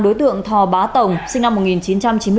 đối tượng thò bá tổng sinh năm một nghìn chín trăm chín mươi tám